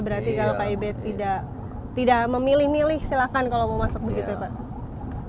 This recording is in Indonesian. berarti kalau kib tidak memilih milih silahkan kalau mau masuk begitu ya pak